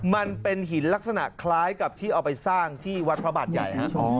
มันเป็นหินลักษณะคล้ายกับที่เอาไปสร้างที่วัดพระบาทใหญ่